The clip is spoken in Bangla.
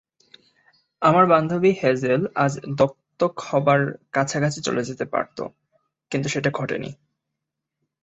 আমার বান্ধবী হ্যাজেল আজ দত্তক হবার কাছাকাছি চলে যেতে পারতো, কিন্তু সেটা ঘটেনি।